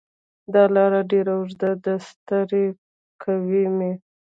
دا لار ډېره اوږده ده ستړی کوی مې